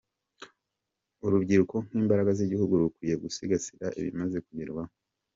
Urubyiruko nk’ imbaraga z’ igihugu rukwiye gusigasira ibimaze kugerwaho.